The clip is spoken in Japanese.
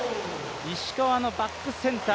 石川のバックセンター